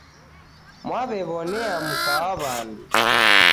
Mwaw'ewonia mka wa w'andu .